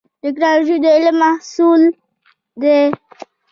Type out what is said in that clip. ټکنالوژي د علم محصول دی